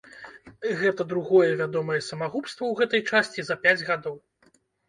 Гэта другое вядомае самагубства ў гэтай часці за пяць гадоў.